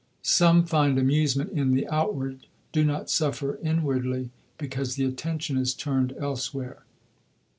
Some find amusement in the outward, do not suffer inwardly, because the attention is turned elsewhere."